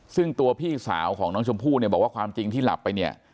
ซึ่งตัวพี่สาวของน้องชมพู่เนี่ยบอกว่าความจริงที่หลับไปเนี่ย